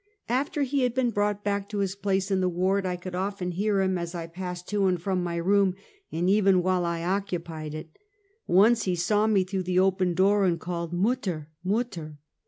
After he had been brought back to his place in the ward I could often hear him as I passed to and from my room, and even while I occu pied it. Once he saw me through the open door, and called, ^'Mutter! mutter!"